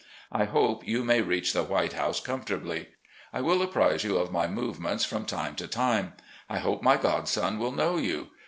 I hope you may reach the 'White House' comfortably. I will apprise you of my movements from time to time. I hope my godson will know you.